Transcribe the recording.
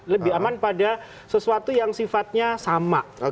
lebih aman pada sesuatu yang sifatnya sama